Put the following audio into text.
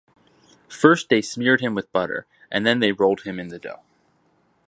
First they smeared him with butter, and then they rolled him in the dough.